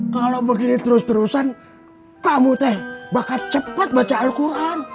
kalau begini terus terusan kamu teh bakat cepat baca al quran